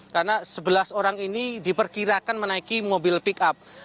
karena sebelas orang ini diperkirakan menaiki mobil pick up